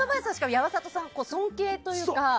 山里さんを尊敬というか。